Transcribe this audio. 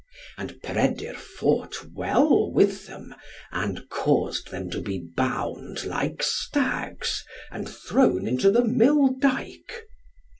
And Peredur fought well with them, and caused them to be bound like stags, and thrown into the mill dyke.